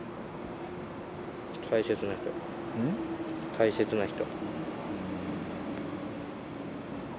大切な人。